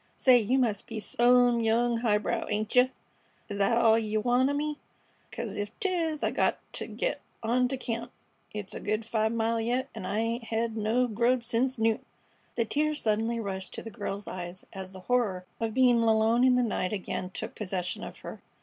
"Say, you must be some young highbrow, ain't yeh? Is thet all yeh want o' me? 'Cause ef 'tis I got t' git on t' camp. It's a good five mile yet, an' I 'ain't hed no grub sence noon." The tears suddenly rushed to the girl's eyes as the horror of being alone in the night again took possession of her.